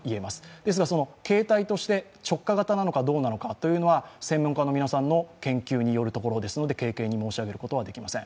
ですが、形態として直下型なのかどうなのかというのは専門家の皆さんの研究によるところですので軽々に申し上げることはできません。